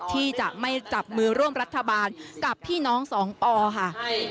ที่จะไม่จับมือร่วมรัฐบาลกับพี่น้องสองปค่ะ